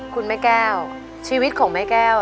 คุณแม่แก้วชีวิตของแม่แก้ว